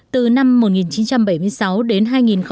từ năm một nghìn chín trăm bảy mươi sáu đến hai nghìn chín